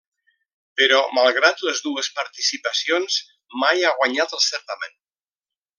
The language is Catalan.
Però malgrat les dues participacions, mai ha guanyat el certamen.